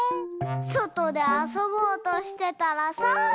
そとであそぼうとしてたらさ。